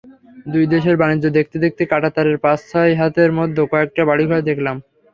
দুই দেশের বাণিজ্য দেখতে দেখতে কাঁটাতারের পাঁচ-ছয় হাতের মধ্যে কয়েকটা বাড়িঘর দেখলাম।